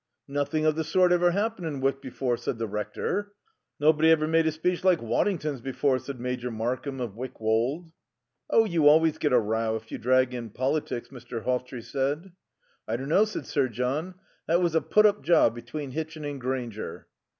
"Nothing of the sort ever happened in Wyck before," said the Rector. "Nobody ever made a speech like Waddington's before," said Major Markham of Wyck Wold. "Oh, you always get a row if you drag in politics," Mr. Hawtrey said. "I don't know," said Sir John. "That was a put up job between Hitchin and Grainger."